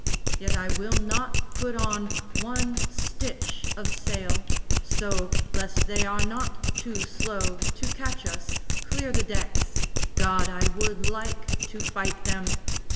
Yet I will not put on One stitch of sail. So, lest they are not too slow To catch us, clear the decks. God, I would like To fight them!"